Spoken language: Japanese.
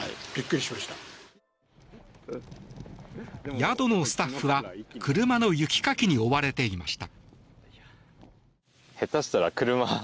宿のスタッフは車の雪かきに追われていました。